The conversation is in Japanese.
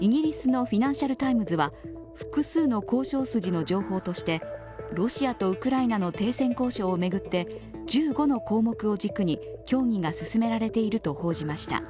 イギリスの「フィナンシャル・タイムズ」は複数の交渉筋の情報としてロシアとウクライナの停戦交渉を巡って１５の項目を軸に協議が進められていると報じました。